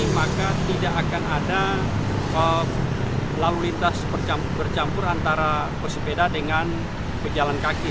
maka tidak akan ada lalu lintas bercampur antara pesepeda dengan pejalan kaki